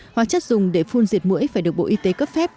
hóa chất dùng để phun diệt mũi phải được bộ y tế cấp phép